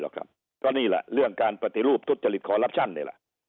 หรอกครับก็นี่ล่ะเรื่องการปฏิรูปทุจริตคอรับชั่นนี่ล่ะ